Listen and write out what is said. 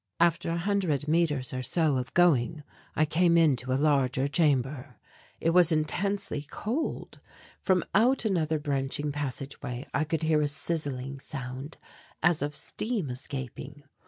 After a hundred metres or so of going I came into a larger chamber. It was intensely cold. From out another branching passage way I could hear a sizzling sound as of steam escaping.